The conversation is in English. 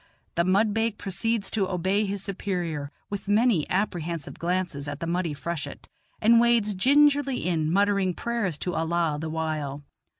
The mudbake proceeds to obey his superior, with many apprehensive glances at the muddy freshet, and wades gingerly in, muttering prayers to Allah the while.